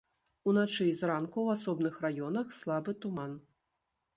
Уначы і зранку ў асобных раёнах слабы туман.